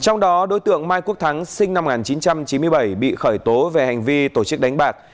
trong đó đối tượng mai quốc thắng sinh năm một nghìn chín trăm chín mươi bảy bị khởi tố về hành vi tổ chức đánh bạc